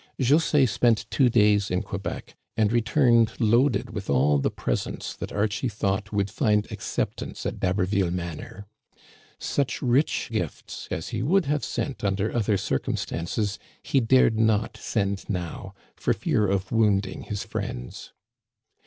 José spent two days in Quebec, and returned loaded with all the presents that Archie thought would find acceptance at D'Haberville Manor. Such rich gifts as he would have sent under other circumstances he dared not send now, for fear of wounding his friends.